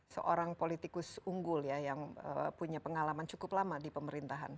seorang politikus unggul ya yang punya pengalaman cukup lama di pemerintahan